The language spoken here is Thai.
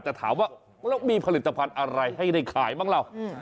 แต่ถามว่าแล้วมีผลิตภัณฑ์อะไรให้ได้ขายบ้างเรา